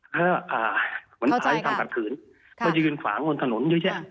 เหมือนพาที่ทำขัดขืนเขาจะยืนขวางกลงถนนเยอะ